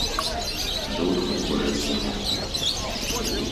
D'autres projets sont en cours.